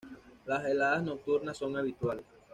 Las heladas nocturnas son habituales.